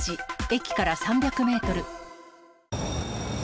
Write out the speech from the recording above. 駅から３００メートル。